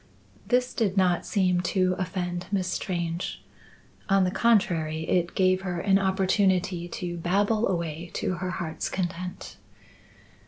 This did not seem to offend Miss Strange. On the contrary it gave her an opportunity to babble away to her heart's content.